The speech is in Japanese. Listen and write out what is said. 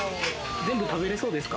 全部食べれそうですか？